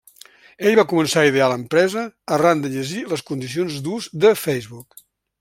Ella va començar a idear l'empresa arran de llegir les condicions d'ús de Facebook.